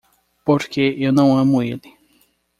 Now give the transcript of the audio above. Porque eu não amo ele.